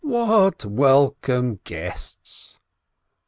"What welcome guests